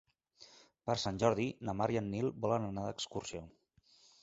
Per Sant Jordi na Mar i en Nil volen anar d'excursió.